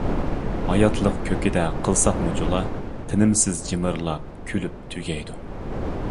ھاياتلىق كۆكىدە قىلسىمۇ جۇلا، تىنىمسىز جىمىرلاپ كۈلۈپ تۈگەيدۇ.